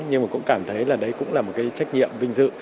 nhưng mà cũng cảm thấy là đấy cũng là một cái trách nhiệm vinh dự